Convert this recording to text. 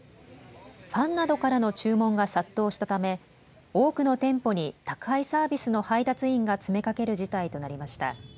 ファンなどからの注文が殺到したため多くの店舗に、宅配サービスの配達員が詰めかける事態となりました。